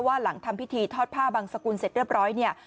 ว่าหลังทำพิธีทอดผ้าบางสกุลเสร็จเรียบร้อย